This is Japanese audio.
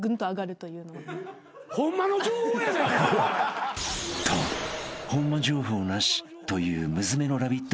［とホンマ情報なしというむずめの『ラヴィット！』